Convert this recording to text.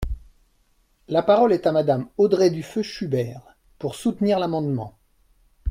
La parole est à Madame Audrey Dufeu Schubert, pour soutenir l’amendement.